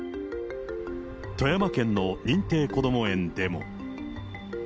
富山県の認定こども園でも。